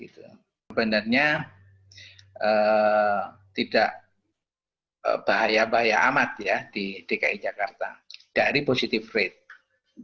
sebenarnya tidak bahaya bahaya amat ya di dki jakarta dari positive rate